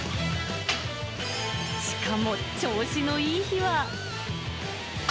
しかも、調子のいい日は。